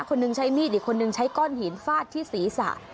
คนนึงใช้มีดอีกคนนึงใช้ก้อนหินฟาดที่ศีรษะ